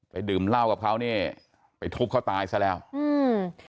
ดื่มเหล้ากับเขานี่ไปทุบเขาตายซะแล้วอืม